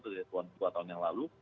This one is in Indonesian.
dari dua tahun yang lalu